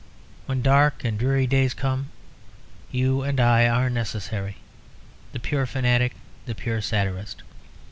When dark and dreary days come, you and I are necessary, the pure fanatic, the pure satirist.